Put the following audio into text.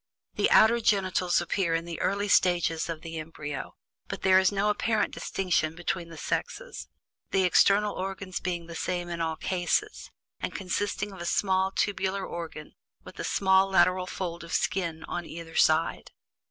The outer genitals appear in the early stages of the embryo, but there is no apparent distinction between the sexes, the external organs being the same in all cases, and consisting of a small tubular organ with a small lateral fold of skin on either side.